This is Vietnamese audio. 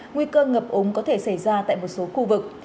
nguy cơ ngập úng có thể xảy ra tại một số khu vực